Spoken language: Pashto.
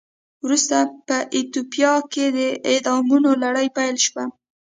ورسته په ایتوپیا کې د اعدامونو لړۍ پیل شوه.